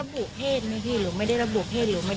รับบู่เพศไหมพี่หรือไม่ได้รับบู่เพศ